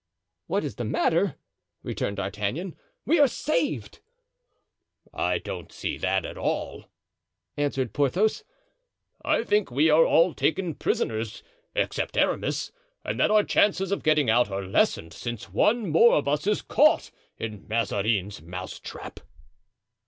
"What is the matter?" returned D'Artagnan; "we are saved!" "I don't see that at all," answered Porthos. "I think we are all taken prisoners, except Aramis, and that our chances of getting out are lessened since one more of us is caught in Mazarin's mousetrap."